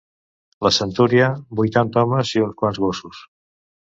La centúria, vuitanta homes i uns quants gossos